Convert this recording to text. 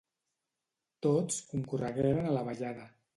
Tots concorregueren a la ballada.